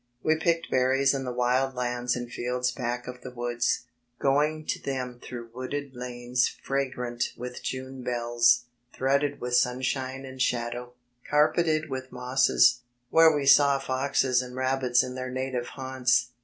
We picked berries in the wild lands and fields back of the woods, going to them through wooded lanes fragrant with June bells, threaded with sunshine and shadow, car peted with mosses, where we saw foxes and rabbits in dteir tiative haunts.